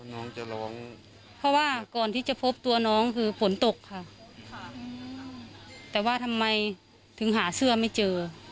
น้องจะร้องเพราะว่าก่อนที่จะพบตัวน้องคือฝนตกค่ะแต่ว่าทำไมถึงหาเสื้อไม่เจอ